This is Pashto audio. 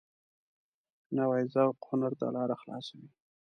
نوی ذوق هنر ته لاره خلاصوي